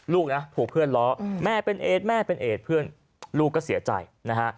ลูกนะถูกเพื่อนล้อแม่เป็นเอสแม่เป็นเอดเพื่อนลูกก็เสียใจนะฮะ